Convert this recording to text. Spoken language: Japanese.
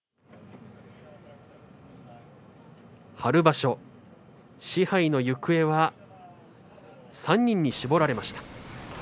春場所、賜盃の行方は３人に絞られました。